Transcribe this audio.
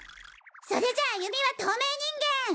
それじゃあ歩美は透明人間！